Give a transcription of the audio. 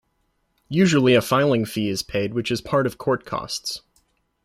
Usually a filing fee is paid which is part of court costs.